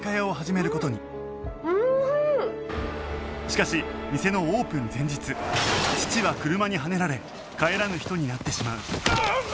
しかし店のオープン前日父は車にはねられ帰らぬ人になってしまううっ！